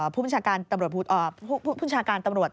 ผู้บัญชาการตำรวจ